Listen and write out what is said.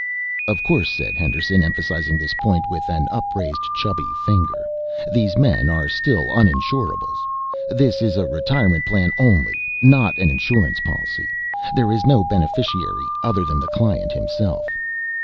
"Of course," said Henderson, emphasizing this point with an upraised chubby finger, "these men are still uninsurables. This is a retirement plan only, not an insurance policy. There is no beneficiary other than the client himself."